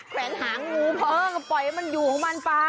แขวนหางูเพิ่งปล่อยให้อยู่ข้ามันไป